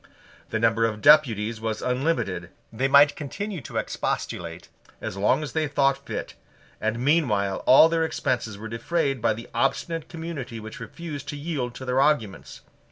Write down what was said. The number of deputies was unlimited: they might continue to expostulate as long as they thought fit; and meanwhile all their expenses were defrayed by the obstinate community which refused to yield to their arguments.